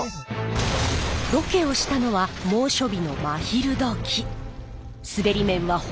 ロケをしたのは猛暑日の真昼どき。